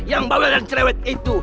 yang bawa dan cerewet itu